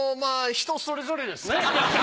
人それぞれですね。